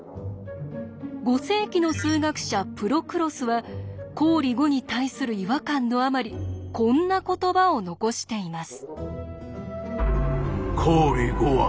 ５世紀の数学者プロクロスは公理５に対する違和感のあまりこんな言葉を残しています。